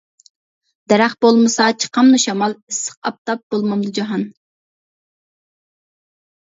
دەرەخ بولمىسا چىقامدۇ شامال، ئىسسىق ئاپتاپ بولمامدۇ جاھان.